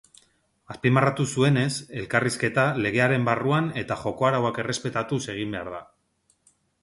Azpimarratu zuenez, elkarrizketa legearen barruan eta joko-arauak errespetatuz egin behar da.